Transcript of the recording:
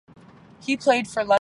He played for London Scottish.